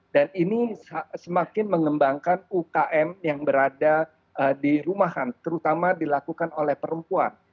dan ini semakin mengembangkan ukm yang berada di rumahan terutama dilakukan oleh perempuan